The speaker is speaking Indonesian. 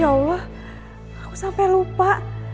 ya allah aku sampai lupa